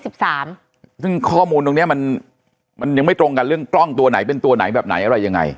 ซึ่งข้อมูลตรงนี้มันยังไม่ตรงกันเรื่องกล้องตัวไหนเป็นตัวไหนแบบไหนอะไรยังไง